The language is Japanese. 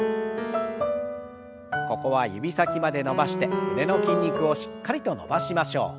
ここは指先まで伸ばして胸の筋肉をしっかりと伸ばしましょう。